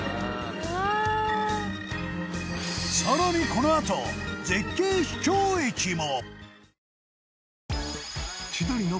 更に、このあと絶景秘境駅も！